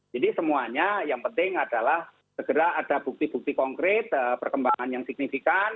semuanya yang penting adalah segera ada bukti bukti konkret perkembangan yang signifikan